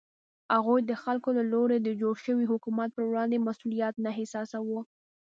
هغوی د خلکو له لوري د جوړ شوي حکومت په وړاندې مسوولیت نه احساساوه.